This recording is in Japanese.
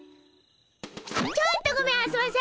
ちょっとごめんあそばせ！